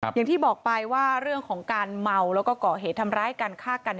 อย่างที่บอกไปว่าเรื่องของการเมาแล้วก็ก่อเหตุทำร้ายกันฆ่ากัน